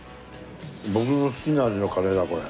僕の好きな味のカレーだこれ。